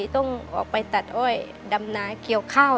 ต้องออกไปตัดอ้อยดำนาเกี่ยวข้าว